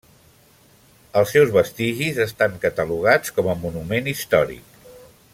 Els seus vestigis estan catalogats com a monument històric.